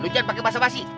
lo jangan pakai basa basi